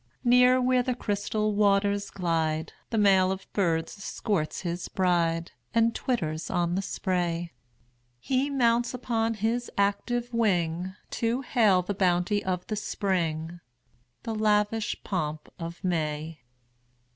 Near where the crystal waters glide The male of birds escorts his bride, And twitters on the spray; He mounts upon his active wing, To hail the bounty of the spring, The lavish pomp of May.